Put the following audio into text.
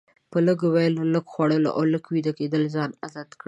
په لږ ویلو، لږ خوړلو او لږ ویده کیدلو ځان عادت کړه.